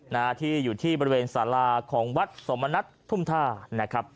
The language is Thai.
นะฮะที่อยู่ที่บริเวณสาราของวัดสมณัฐทุ่มท่านะครับ